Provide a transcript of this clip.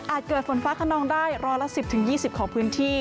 เกิดฝนฟ้าขนองได้ร้อยละ๑๐๒๐ของพื้นที่